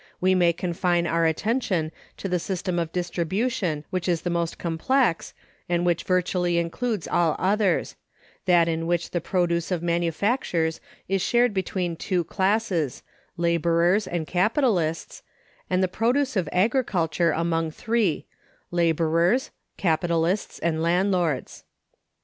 We may confine our attention to the system of distribution which is the most complex, and which virtually includes all others—that in which the produce of manufactures is shared between two classes, laborers and capitalists, and the produce of agriculture among three, laborers, capitalists, and landlords.